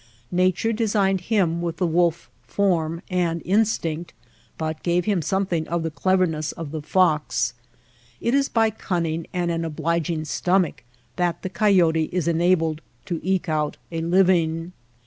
Nat ure designed him with the wolf form and in stinct, but gave him something of the clever ness of the fox. It is by cunning and an obliging stomach that the coyote is enabled to eke out a living.